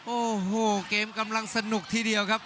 โอ้โหเกมกำลังสนุกทีเดียวครับ